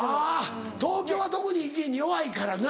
東京は特に雪に弱いからな。